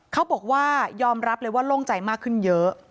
เขาบอกว่ายอมรับเลยว่าโล่งใจมากขึ้นเยอะ